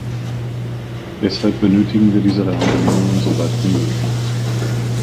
Deshalb benötigen wir diese Rahmenbedingungen so bald wie möglich.